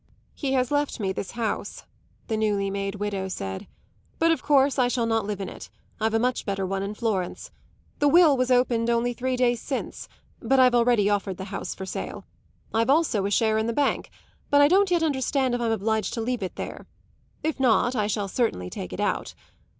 "He has left me this house," the newly made widow said; "but of course I shall not live in it; I've a much better one in Florence. The will was opened only three days since, but I've already offered the house for sale. I've also a share in the bank; but I don't yet understand if I'm obliged to leave it there. If not I shall certainly take it out.